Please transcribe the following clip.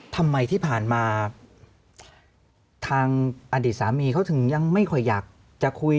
ทำไมที่ผ่านมาทางอดีตสามีเขาถึงยังไม่ค่อยอยากจะคุย